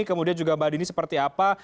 kemudian juga mbak dini seperti apa